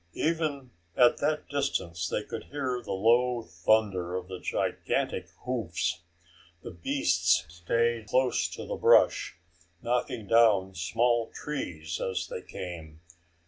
Even at that distance they could hear the low thunder of the gigantic hooves. The beasts stayed close to the brush, knocking down small trees as they came.